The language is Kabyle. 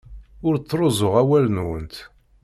Ur ttruẓuɣ awal-nwent.